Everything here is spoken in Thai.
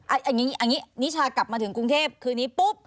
อันนี้นิชากลับมาถึงกรุงเทพคืนนี้ปุ๊บ